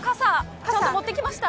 傘、ちゃんと持ってきました？